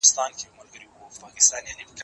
زه پرون پلان جوړ کړ،